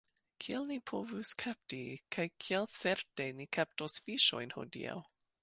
Kiel ni povus kapti, kaj kiel certe ni kaptos fiŝojn hodiaŭ?